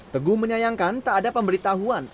teguh menyayangkan tak ada pemberitahuan